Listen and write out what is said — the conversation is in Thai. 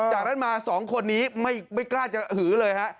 จากนั้นมา๒คนนี้ไม่กล้าจะหือเลยฮะ